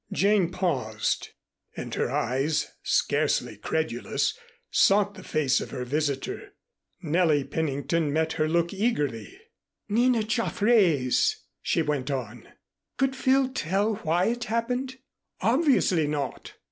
Jane paused, and her eyes, scarcely credulous, sought the face of her visitor. Nellie Pennington met her look eagerly. "Nina Jaffray's," she went on. "Could Phil tell why it happened? Obviously not."